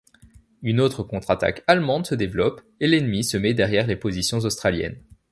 Une autre contre-attaque allemande se développe, et l'ennemi se met derrière les positions australiennes.